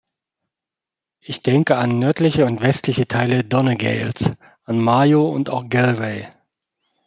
Ich denke an nördliche und westliche Teile Donegals, an Mayo, und auch Galway.